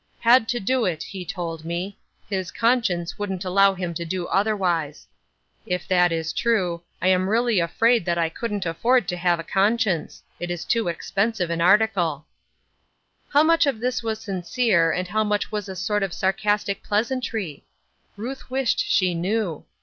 'Had to do it,' he told me; his 'conscience wouldn't allow him to do otherwise.' If that \»"^ Bitter jSweet:' 833 true, I am really afraid that I couldn't afford to have a conscience; it is too expensive in article." How much of this was sincere, and how much was a sort of sarcastic pleasantry ? Ruth wished she knew.